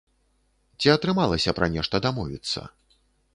Ці атрымалася пра нешта дамовіцца?